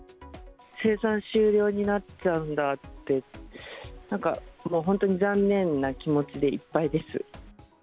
生産終了になっちゃうんだって、なんか本当に残念な気持ちでいっぱいです。